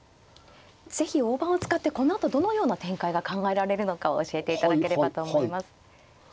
是非大盤を使ってこのあとどのような展開が考えられるのかを教えていただければと思います。